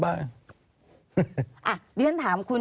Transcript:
ปีอาทิตย์ห้ามีส